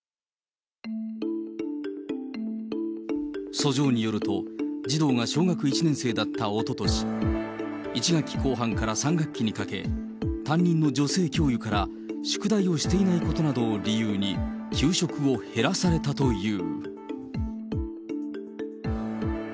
訴状によると、児童が小学１年生だったおととし、１学期後半から３学期にかけ、担任の女性教諭から宿題をしていないことなどを理由に、給食を減らされたという。